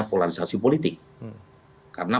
polarisasi politik karena